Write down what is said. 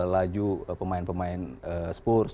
laju pemain pemain spurs